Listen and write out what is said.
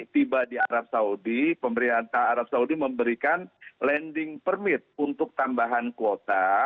tiba di arab saudi pemerintah arab saudi memberikan landing permit untuk tambahan kuota